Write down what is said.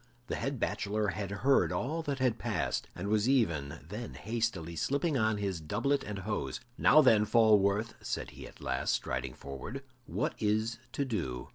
The head bachelor had heard all that had passed, and was even then hastily slipping on his doublet and hose. "Now, then, Falworth," said he at last, striding forward, "what is to do?